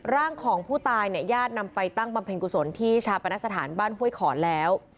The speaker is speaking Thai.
ร่างของผู้ตายเนี่ยญาตินำไปตั้งบำเพ็ญกุศลที่ชาปนสถานบ้านห้วยขอนแล้ว